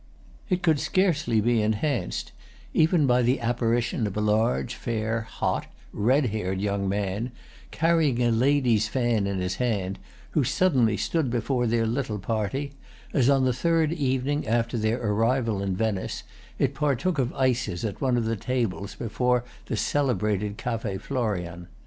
It could scarcely be enhanced even by the apparition of a large, fair, hot, red haired young man, carrying a lady's fan in his hand, who suddenly stood before their little party as, on the third evening after their arrival in Venice, it partook of ices at one of the tables before the celebrated Café Florian.